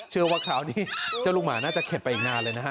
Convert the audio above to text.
เชื่อว่าคราวนี้เจ้าลูกหมาน่าจะเข็ดไปอีกนานเลยนะฮะ